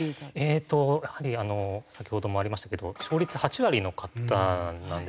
えっとやはりあの先ほどもありましたけど勝率８割の方なんですよね。